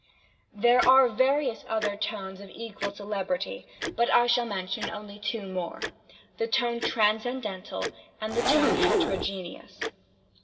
"There are various other tones of equal celebrity, but I shall mention only two more—the tone transcendental and the tone heterogeneous.